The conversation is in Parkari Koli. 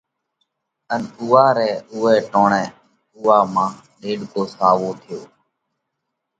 ان اُوئہ رئہ اُوئہ ٽوڻئہ اُوئا ماڳ ڏيڏڪو ساوو ٿيو۔